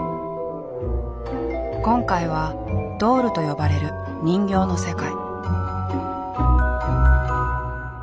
今回は「ドール」と呼ばれる人形の世界。